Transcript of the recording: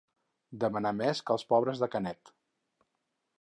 Demanar més que els pobres de Canet.